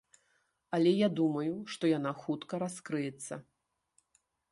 Але я думаю, што яна хутка раскрыецца.